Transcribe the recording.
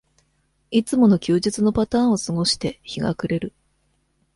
いつもの休日のパターンを過ごして、日が暮れる。